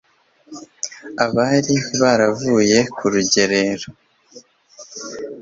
abari baravuye ku rugerero